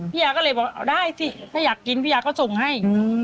ยาก็เลยบอกเอาได้สิถ้าอยากกินพี่ยาก็ส่งให้